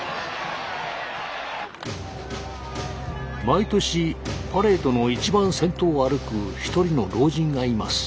毎年パレードの一番先頭を歩く一人の老人がいます。